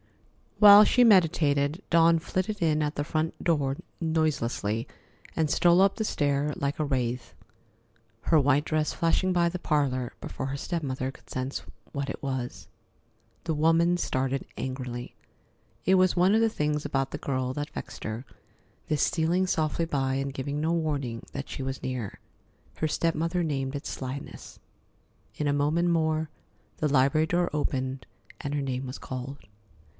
While she meditated, Dawn flitted in at the front door noiselessly and stole up the stair like a wraith, her white dress flashing by the parlor before her step mother could sense what it was. The woman started angrily. It was one of the things about the girl that vexed her, this stealing softly by and giving no warning that she was near. Her step mother named it "slyness." In a moment more the library door opened and her name was called.